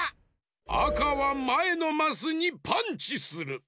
あかはまえのマスにパンチする！